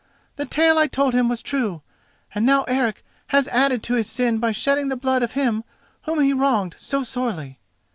The tale I told him was true, and now Eric has added to his sin by shedding the blood of him whom he wronged so sorely."